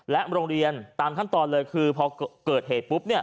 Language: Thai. โรงเรียนตามขั้นตอนเลยคือพอเกิดเหตุปุ๊บ